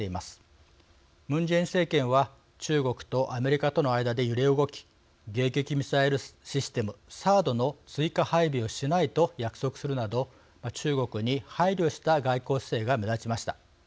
ムン・ジェイン政権は中国とアメリカとの間で揺れ動き迎撃ミサイルシステムＴＨＡＡＤの追加配備をしないと約束するなど中国に配慮した外交姿勢が目立ちました。